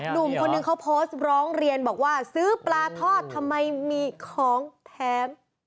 หนุ่มคนนึงเขาโพสต์ร้องเรียนบอกว่าซื้อปลาทอดทำไมมีของแถม